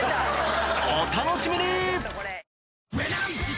お楽しみに！